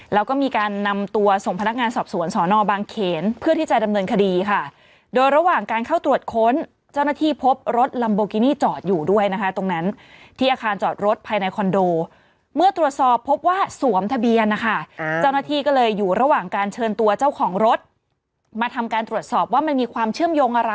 แล้วก็มีการนำตัวส่งพนักงานสอบสวนสอนอบางเขนเพื่อที่จะดำเนินคดีค่ะโดยระหว่างการเข้าตรวจค้นเจ้าหน้าที่พบรถลัมโบกินี่จอดอยู่ด้วยนะคะตรงนั้นที่อาคารจอดรถภายในคอนโดเมื่อตรวจสอบพบว่าสวมทะเบียนนะคะเจ้าหน้าที่ก็เลยอยู่ระหว่างการเชิญตัวเจ้าของรถมาทำการตรวจสอบว่ามันมีความเชื่อมโยงอะไร